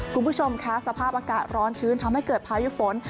คุณผู้ชมค่ะสภาพอากาศร้อนชื้นทำให้เกิดพายุฝน